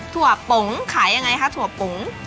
ถั่วปงขายยังไงคะถั่วปง